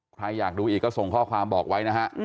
ใครอยากดูอีกก็ส่งข้อความบอกไว้นะฮะ